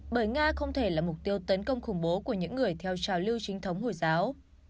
bởi nga không thể là mục tiêu tấn công khủng bố của những người theo trào lưu chính thống hồi giáo